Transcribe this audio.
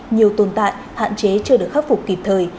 nhiều tồn tại hạn chế chưa được khắc phục kịp thời